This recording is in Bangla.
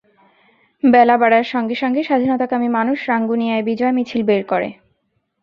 বেলা বাড়ার সঙ্গে সঙ্গে স্বাধীনতাকামী মানুষ রাঙ্গুনিয়ায় বিজয় মিছিল বের করে।